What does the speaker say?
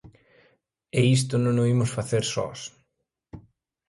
E isto non o imos facer sós.